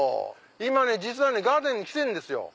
今実はガーデンに来てるんです。